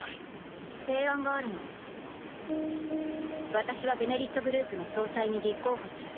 私は「ベネリットグループ」の総裁に立候補する。